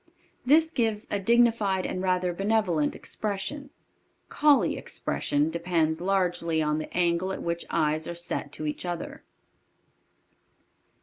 This gives a dignified and rather benevolent expression. "Collie expression" depends largely on the angle at which eyes are set to each other.